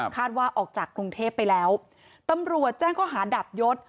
ว่าออกจากกรุงเทพไปแล้วตำรวจแจ้งข้อหาดับยศ